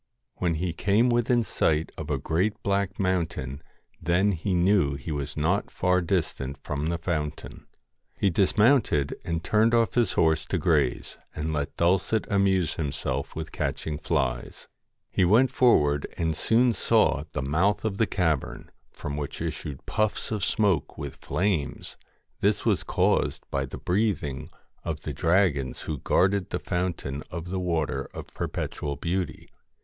When he came within sight of a great black mountain then he knew he was not far distant from the fountain. He dismounted and turned off his horse to graze, and let Dulcet amuse himself with catching flies. He went forward and soon saw the mouth of the cavern, from which issued puffs of smoke with flames ; this was caused by the breathing of the 179 THE FAIR dragons who guarded the fountain of the Water of MA J Perpetual Beauty.